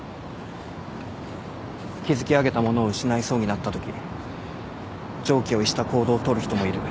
築き上げたものを失いそうになったとき常軌を逸した行動を取る人もいる。